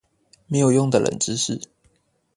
沒有用的冷知識